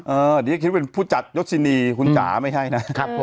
เดี๋ยวจะคิดว่าเป็นผู้จัดยศินีคุณจ๋าไม่ใช่นะครับผม